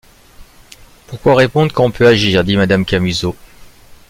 Pourquoi répondre, quand on peut agir! dit madame Camusot.